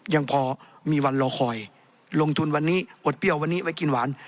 ยังพอมีวันรอคอยลงทุนวันนี้อดเปรี้ยววันนี้ไว้กินหวาน